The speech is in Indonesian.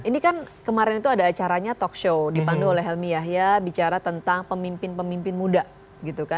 ini kan kemarin itu ada acaranya talk show dipandu oleh helmi yahya bicara tentang pemimpin pemimpin muda gitu kan